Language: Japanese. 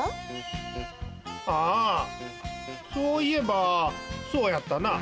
あそういえばそうやったな。